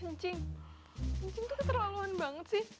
ncing ncing tuh keterlaluan banget sih